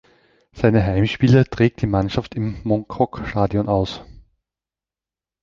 Seine Heimspiele trägt die Mannschaft im Mong Kok Stadion aus.